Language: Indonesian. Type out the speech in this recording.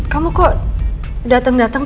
kamu kok dateng dateng